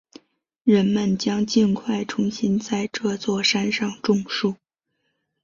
人们将尽快重新在这座山上种树。